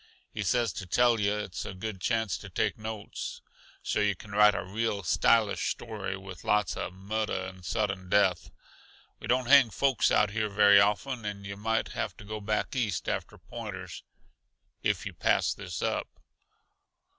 He says to tell yuh it's a good chance to take notes, so yuh can write a real stylish story, with lots uh murder and sudden death in it. We don't hang folks out here very often, and yuh might have to go back East after pointers, if yuh pass this up."